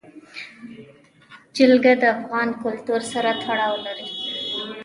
جلګه د افغان کلتور سره تړاو لري.